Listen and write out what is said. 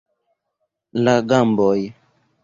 La gamboj.